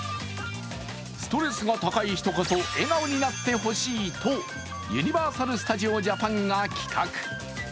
ストレスが高い人こそ笑顔になってほしいとユニバーサル・スタジオ・ジャパンが企画。